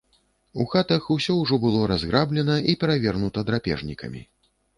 У хатах усё ўжо было разграблена і перавернута драпежнікамі.